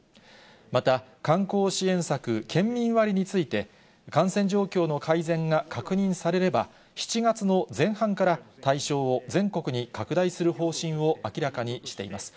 また、観光支援策、県民割について、感染状況の改善が確認されれば、７月の前半から対象を全国に拡大する方針を明らかにしています。